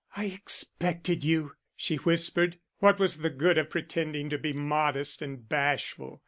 "I expected you," she whispered. What was the good of pretending to be modest and bashful?